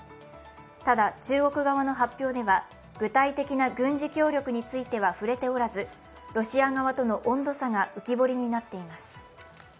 ただ中国側の発表では具体的な軍事協力については触れておらずロシア側との温度差が浮き彫りになっています。